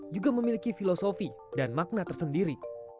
juga memiliki filosofi dan makna tersendiri